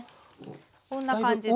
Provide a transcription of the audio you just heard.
こんな感じで。